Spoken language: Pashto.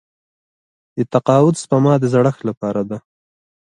د تقاعد سپما د زړښت لپاره ده.